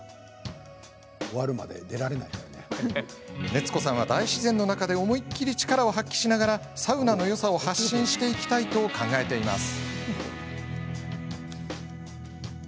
熱子さんは、大自然の中で思いきり力を発揮しながらサウナのよさを発信していきたいと考えています。